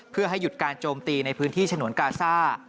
เพื่อให้หยุดการโจมตีในพื้นที่ฉนวนกาซ่า